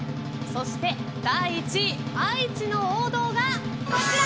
そして第１位、愛知の王道がこちら！